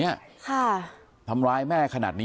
ค่ะทำร้ายแม่ขนาดนี้